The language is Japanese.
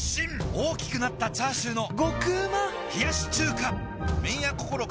大きくなったチャーシューの麺屋こころ